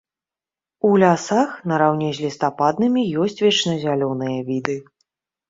У лясах нараўне з лістападнымі ёсць вечназялёныя віды.